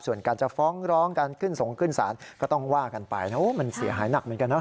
ส่วนการจะฟ้องร้องการขึ้นสงขึ้นศาลก็ต้องว่ากันไปนะว่ามันเสียหายหนักเหมือนกันนะ